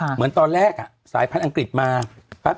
เหมือนตอนแรกอ่ะสายพันธุ์อังกฤษมาปั๊บ